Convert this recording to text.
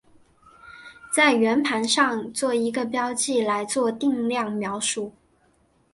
在圆盘上做一个标记来做定量描述。